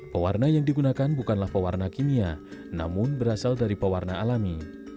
pewarna yang digunakan bukanlah pewarna kimia namun berasal dari pewarna alami